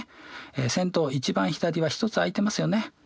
先頭一番左は１つあいてますよね。